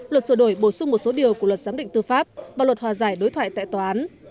luật sửa đổi bổ sung một số điều của luật giám định tư pháp và luật hòa giải đối thoại tại tòa án